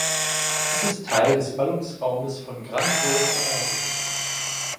Es ist Teil des Ballungsraumes von Gran Buenos Aires.